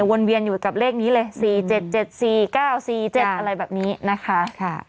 วนเวียนอยู่กับเลขนี้เลย๔๗๗๔๙๔๗อะไรแบบนี้นะคะ